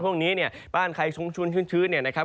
พรุ่งนี้เนี่ยบ้านใครชุ่มชุ่มชื้นเนี่ยนะครับ